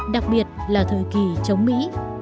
đặc biệt là thời kỳ chống mỹ